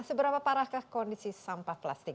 seberapa parahkah kondisi sampah plastik